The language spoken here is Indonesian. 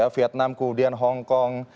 vietnam kemudian hongkong